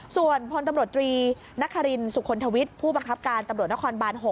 ส่วนพลตำรวจตรีนครินสุคลทวิทย์ผู้บังคับการตำรวจนครบาน๖